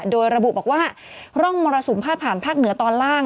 โดยระบุบอกว่าร่องมรสุมพาดผ่านภาคเหนือตอนล่าง